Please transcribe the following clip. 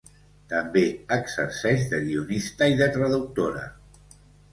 També exerceix de guionista i de traductora.